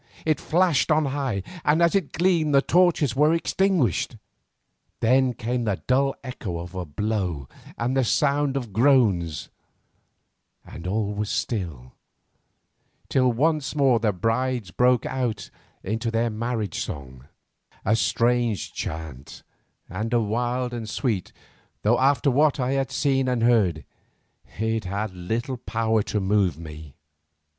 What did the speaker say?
It flashed on high, and as it gleamed the torches were extinguished. Then came the dull echo of a blow and a sound of groans, and all was still, till once more the brides broke out into their marriage song, a strange chant and a wild and sweet, though after what I had seen and heard it had little power to move me.